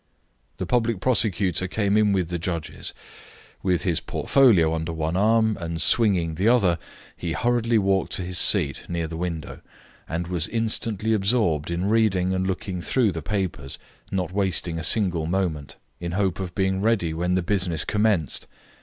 The public prosecutor came in with the judges. With his portfolio under one arm, and swinging the other, he hurriedly walked to his seat near the window, and was instantly absorbed in reading and looking through the papers, not wasting a single moment, in hope of being ready when the business commenced.